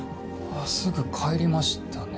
すぐ帰りましたね。